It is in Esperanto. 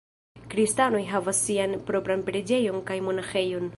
Kristanoj havas sian propran preĝejon kaj monaĥejon.